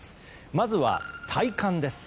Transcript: まずは体感です。